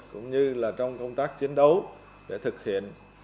cũng như là trong công tác chiến đấu để thực hiện